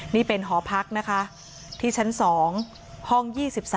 นี่เป็นหอพักนะคะที่ชั้น๒ห้อง๒๓